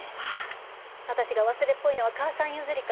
私が忘れっぽいのは母さん譲りか。